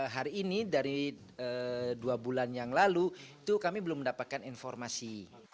hari ini dari dua bulan yang lalu itu kami belum mendapatkan informasi